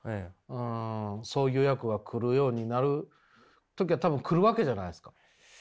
そういう役が来るようになる時が多分来るわけじゃないですか。